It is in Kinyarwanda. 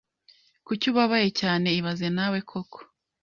Kuki ubabaye cyane ibaze nawe koko